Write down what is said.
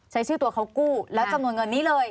ใช้ชื่อตัวเขากู้แล้วจำนวนเงินนี้เลย